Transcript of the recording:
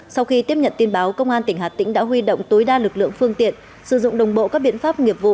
sau khi tiếp nhận tin báo công an tỉnh hà tĩnh đã huy động tối đa lực lượng phương tiện sử dụng đồng bộ các biện pháp nghiệp vụ